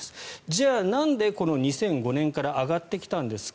じゃあ、なんでこの２００５年から上がってきたんですか。